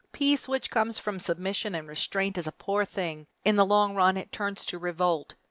Peace which comes from submission and restraint is a poor thing. In the long run it turns to revolt.